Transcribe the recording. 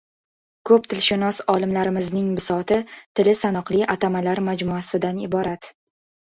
Ko‘p tilshunos olimlarimizning bisoti — tili sanoqli atamalar majmuasidan iborat.